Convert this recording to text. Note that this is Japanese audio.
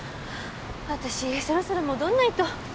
私そろそろ戻んないと。